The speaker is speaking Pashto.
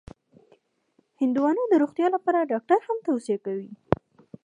هندوانه د روغتیا لپاره ډاکټر هم توصیه کوي.